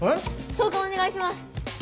挿管お願いします。